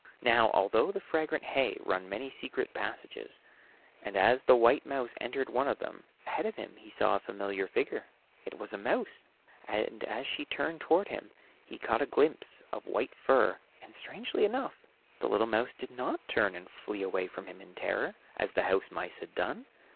Now all through the fragrant hay run many secret passages, and as the white mouse entered one of them, ahead of him he saw a familiar figure; it was a mouse, and as she turned toward him, he caught a glimpse of white fur, and, strangely enough, the little mouse did not turn and flee away from him in terror, as the house mice had done.